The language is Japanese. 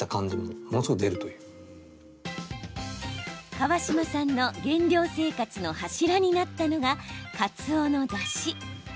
川島さんの減量生活の柱になったのが、カツオのだし。